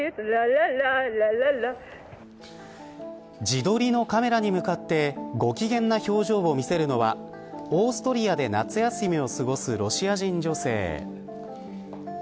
自撮りのカメラに向かってご機嫌な表情を見せるのはオーストリアで夏休みを過ごすロシア人女性。